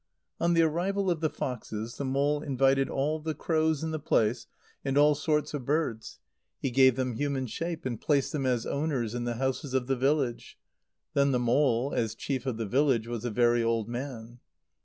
On the arrival of the foxes, the mole invited all the crows in the place and all sorts of birds. He gave them human shape, and placed them as owners in the houses of the village. Then the mole, as chief of the village, was a very old man.